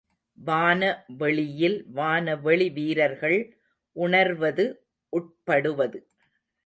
வான வெளியில் வான வெளி வீரர்கள் உணர்வது, உட்படுவது.